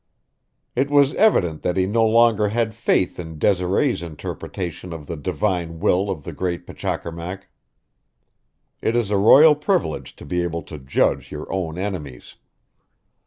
It was evident that he no longer had faith in Desiree's interpretation of the divine will of the great Pachacamac. It is a royal privilege to be able to judge your own enemies.